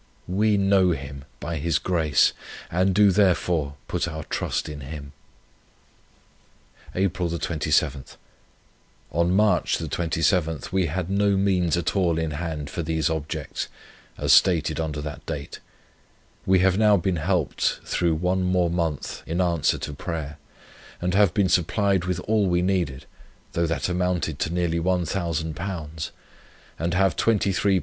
We know Him, by His grace, and do therefore put our trust in Him. "April 27. On March 27th we had no means at all in hand for these Objects, as stated under that date. We have now been helped through one more month, in answer to prayer, and have been supplied with all we needed, though that amounted to nearly £1000, and have £23 8s.